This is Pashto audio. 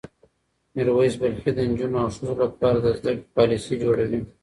میر ویس بلخي د نجونو او ښځو لپاره د زده کړې پالیسۍ جوړوي.